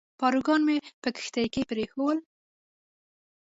پاروګان مې په کښتۍ کې پرېښوول.